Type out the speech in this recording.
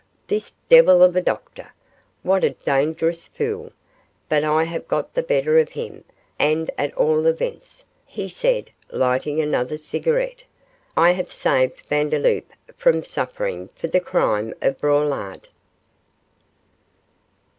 this devil of a doctor what a dangerous fool, but I have got the better of him, and at all events,' he said, lighting another cigarette, 'I have saved Vandeloup from suffering for the crime of Braulard.